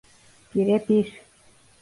Bire bir.